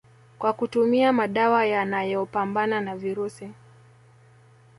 kwa kutumia madawa ya yanayopambana na virusi